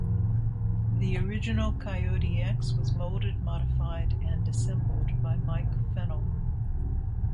The original Coyote X was molded, modified and assembled by Mike Fennel.